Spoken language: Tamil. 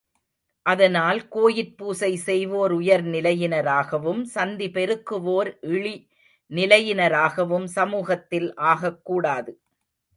அதனால் கோயிற்பூசை செய்வோர் உயர் நிலையினராகவும் சந்தி பெருக்குவோர் இழி நிலையினராகவும் சமூகத்தில் ஆகக்கூடாது.